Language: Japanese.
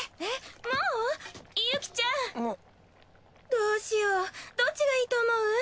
どうしようどっちがいいと思う？